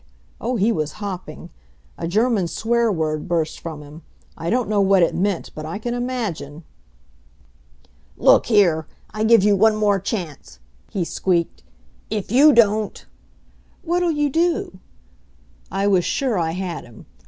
Oh, he was hopping! A German swear word burst from him. I don't know what it meant, but I can imagine. "Look here, I give you one more chance," he squeaked; "if you don't " "What'll you do?" I was sure I had him.